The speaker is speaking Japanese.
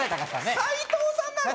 斎藤さんなの？